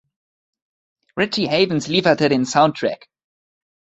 Richie Havens lieferte den Soundtrack.